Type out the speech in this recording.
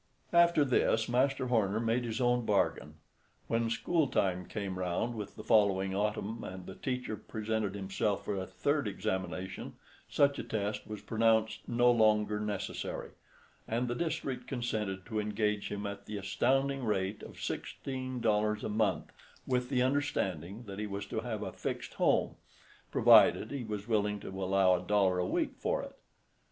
After this, Master Horner made his own bargain. When schooltime came round with the following autumn, and the teacher presented himself for a third examination, such a test was pronounced no longer necessary; and the district consented to engage him at the astounding rate of sixteen dollars a month, with the understanding that he was to have a fixed home, provided he was willing to allow a dollar a week for it.